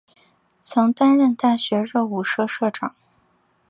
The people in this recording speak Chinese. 曾担任大学热舞社社长。